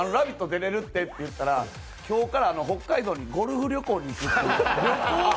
出れるってって言ったら今日から北海道にゴルフ旅行に行く。